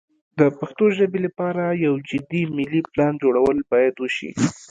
د پښتو ژبې لپاره یو جدي ملي پلان جوړول باید وشي.